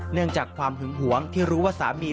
เนื่องจากความหึงหวงที่รู้ว่าสามี